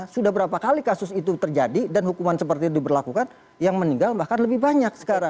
sudah berapa kali kasus itu terjadi dan hukuman seperti itu diberlakukan yang meninggal bahkan lebih banyak sekarang